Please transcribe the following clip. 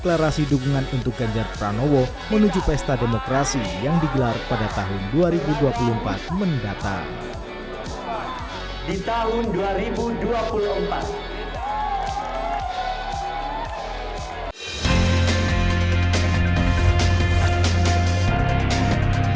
deklarasi dukungan untuk ganjar pranowo menuju pesta demokrasi yang digelar pada tahun dua ribu dua puluh empat mendatang